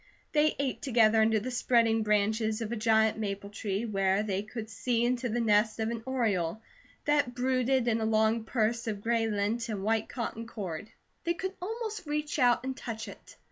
They ate together under the spreading branches of a giant maple tree, where they could see into the nest of an oriole that brooded in a long purse of gray lint and white cotton cord. They could almost reach out and touch it.